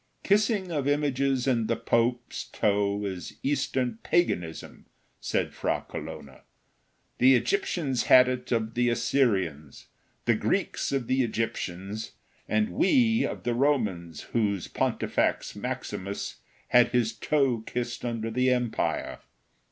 "Kissing of images and the Pope's toe is Eastern paganism," said Fra Colonna. "The Egyptians had it of the Assyrians, the Greeks of the Egyptians, and we of the Romans, whose Pontifax Maximus had his toe kissed under the Empire.